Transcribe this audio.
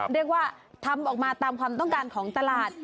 เรียกว่าทำออกมาตามความต้องการของตลาด